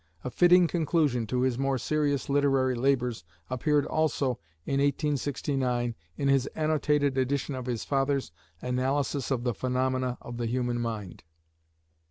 A fitting conclusion to his more serious literary labors appeared also in 1869 in his annotated edition of his father's "Analysis of the Phenomena of the Human Mind."